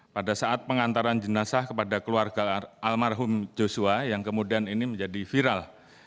pada saat pengantaran jenazah kepada keluarga almarhum joshua yang kemudian ini menjadi viral